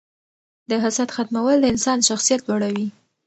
د حسد ختمول د انسان شخصیت لوړوي.